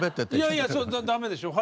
いやいや駄目でしょう。